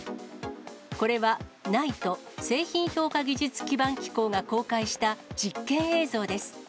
これはＮＩＴＥ・製品評価技術基盤機構が公開した実験映像です。